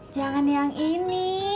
jangan yang ini